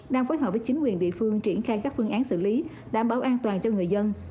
đang phối hợp với chính quyền địa phương triển khai các phương án xử lý đảm bảo an toàn cho người dân